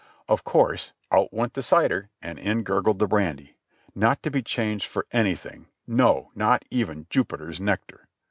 Of course out went the cider and in gurgled the brandy; not to be changed for anything, no, not even Jupiter's nectar.